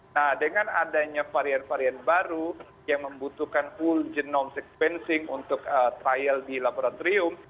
nah dengan adanya varian varian baru yang membutuhkan whole genome sequencing untuk trial di laboratorium